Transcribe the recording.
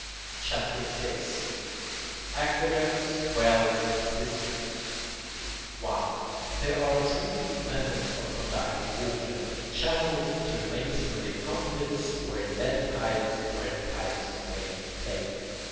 CHAPTER VI AQUEDUCTS, WELLS, AND CISTERNS 1. There are three methods of conducting water, in channels through masonry conduits, or in lead pipes, or in pipes of baked clay.